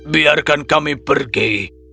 biarkan kami pergi